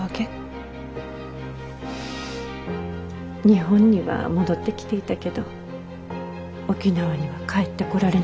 日本には戻ってきていたけど沖縄には帰ってこられなかった。